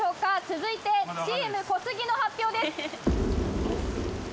続いてチーム小杉の発表です